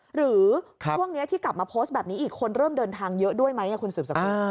หรือช่วงนี้ที่กลับมาโพสต์แบบนี้อีกคนเริ่มเดินทางเยอะด้วยไหมคุณสืบสกุล